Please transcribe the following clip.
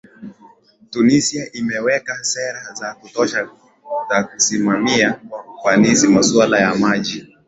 Tunisia imeweka sera za kutosha za kusimamia kwa ufanisi masuala ya maji